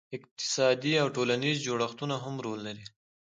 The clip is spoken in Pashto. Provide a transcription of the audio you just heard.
اقتصادي او ټولنیز جوړښتونه هم رول لري.